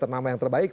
nama yang terbaik